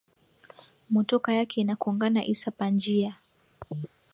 Motoka yake ina kongana isa pa njia